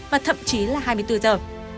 và thậm chí là hai mươi bốn giờ